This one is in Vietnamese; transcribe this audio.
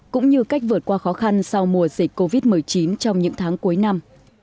cũng như cách vượt qua khó khăn sau mùa dịch covid một mươi chín trong những tháng cuối năm